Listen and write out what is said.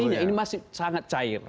ini masih sangat cair